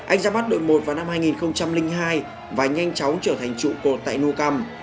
anh ra mắt đội một vào năm hai nghìn hai và nhanh chóng trở thành trụ cột tại nukam